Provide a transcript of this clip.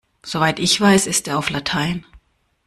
Soweit ich weiß ist er auf Latein.